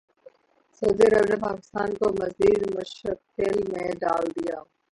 سعودی عرب نے پاکستان کو مزید مشکل میں ڈال دیا ہے